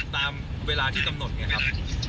ตามเวลาที่ตำหนดเนี่ยครับ